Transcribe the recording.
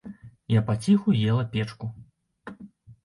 Я паціху ела печку.